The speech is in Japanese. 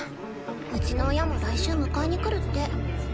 うちの親も来週迎えに来るって。